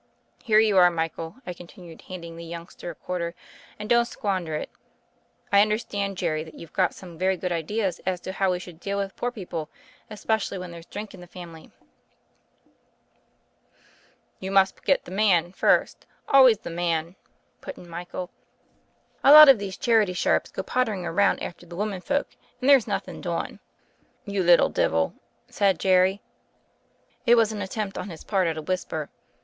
Here you are Michael," I continued, handing the youngster a quarter, "and don't squander it. I understand, Jerry, that you've got some very good ideas as to how we should deal with poor people, especially when there's drink in the family." "You must get the man first — always the man/' put in Michael. "A lot of these charity sharps go pottering around after the women folks, and there's nothing doin'." "You little divil," said Jerry. It was an at tempt on his part at a whisper.